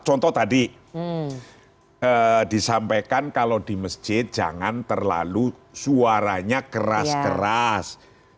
contoh tadi disampaikan kalau di masjid jangan terlalu suaranya keras keras